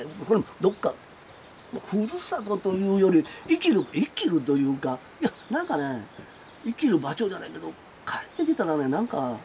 どっかふるさとというより生きる生きるというかなんかね生きる場所じゃないけど帰ってきたらねなんか。